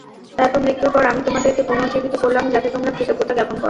তারপর মৃত্যুর পর আমি তোমাদেরকে পুনর্জীবিত করলাম, যাতে তোমরা কৃতজ্ঞতা জ্ঞাপন কর।